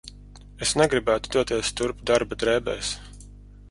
Es negribētu doties turp darba drēbēs.